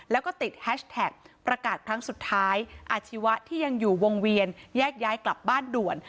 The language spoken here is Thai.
แล้วก็ติดแฮชแท็กประกาศครั้งสุดท้ายอาชีวะที่ยังอยู่วงเวียนแยกย้ายกลับบ้านด่วน